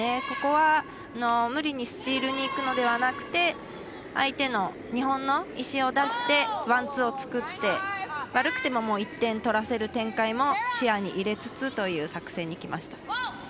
ここは無理にスチールにいくのではなくて相手の日本の石を出してワン、ツーを作って悪くても１点取らせるという展開も視野に入れつつという作戦にきました。